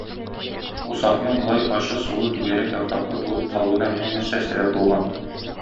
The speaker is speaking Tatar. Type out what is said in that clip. Усакның болай ачы сулы түгәрәк яфраклы булып калуына менә нәрсә сәбәп булган.